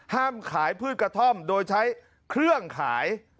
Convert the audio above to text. ห้ามขายพืชกระท่อมโดยใช้เครื่องขาย